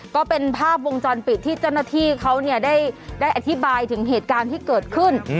ก็เป็นภาพวงจรปิดที่เจ้าหน้าที่เขาได้อธิบายถึงเหตุการณ์ที่เกิดขึ้น